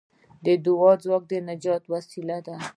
د دعا ځواک د نجات وسیله ده.